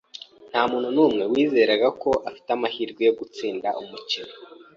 Ntamuntu numwe wizeraga ko afite amahirwe yo gutsinda umukino.